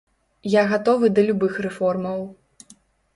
Я гатовы да любых рэформаў.